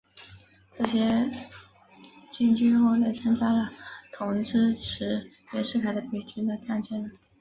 这些黔军后来参加了同支持袁世凯的北军的战争。